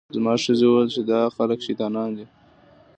زما ښځې وویل چې دا خلک شیطانان دي.